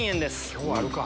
今日あるか？